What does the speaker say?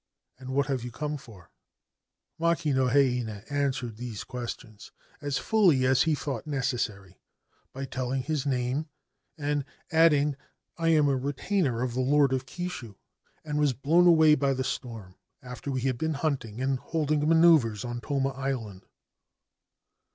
and what have you come for ?' Makino Heinei answered these questions as fully as he thought necessary by telling his name and adding, ' I am a retainer of the Lord of Kishu, and was blown away by the storm after we had been hunting and holding manoeuvres on Toma Island.'